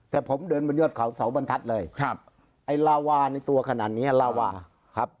แต่ผมเดินบนยอดเขาเสาบรรทัศน์เลยครับไอ้ลาวาในตัวขนาดเนี้ยลาวาครับ